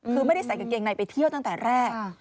คือไม่ได้ใส่กางเกงในไปเที่ยวตั้งแต่แรก